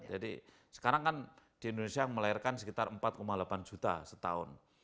jadi sekarang kan di indonesia yang melahirkan sekitar empat delapan juta setahun